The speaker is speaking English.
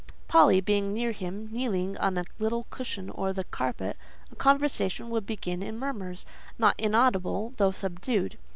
Polly, being near him, kneeling on a little cushion or the carpet, a conversation would begin in murmurs, not inaudible, though subdued.